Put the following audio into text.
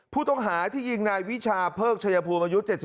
ผู้ต้องหาที่ยิงนายวิชาเพิกชัยภูมิอายุ๗๒